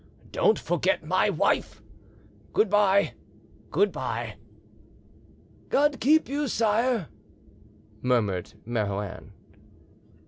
Do not forget my wife!... Good bye good bye——!" "God keep you, sire!" murmured Marouin.